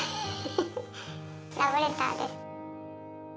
ラブレターです。